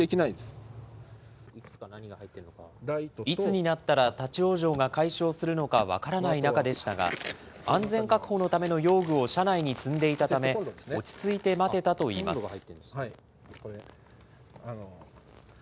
いつになったら立往生が解消するのか分からない中でしたが、安全確保のための道具を車内に積んでいたため、落ち着いて待てたといいます。